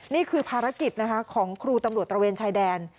นี่คือภารกิจนะคะของครูตำรวจตระเวนชายแดน